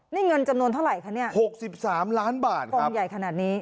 นี่เงินจำนวนเท่าไหร่คะเนี่ย๖๓ล้านบาทกองใหญ่ขนาดนี้